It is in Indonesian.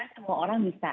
karena semua orang bisa